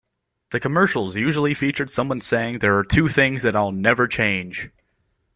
The commercials usually featured someone saying There are two things that I'll never change.